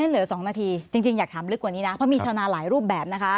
เหลือ๒นาทีจริงอยากถามลึกกว่านี้นะเพราะมีชาวนาหลายรูปแบบนะคะ